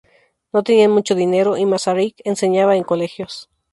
No tenían mucho dinero y Masaryk enseñaba en colegios.